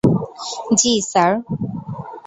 জ্বি, স্যার?